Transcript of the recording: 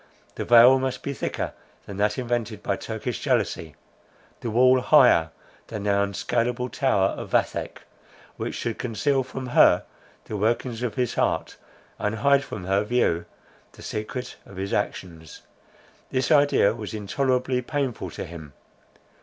The veil must be thicker than that invented by Turkish jealousy; the wall higher than the unscaleable tower of Vathek, which should conceal from her the workings of his heart, and hide from her view the secret of his actions. This idea was intolerably painful to him.